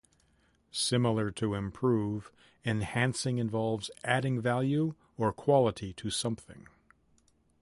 Similar to improve, enhancing involves adding value or quality to something.